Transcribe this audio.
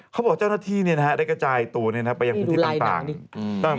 เขาบอกเจ้าหน้าที่ได้กระจายตัวนี้ไปที่ที่ต่าง